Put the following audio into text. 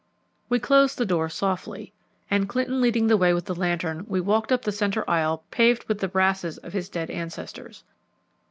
We closed the door softly and, Clinton leading the way with the lantern, we walked up the centre aisle paved with the brasses of his dead ancestors.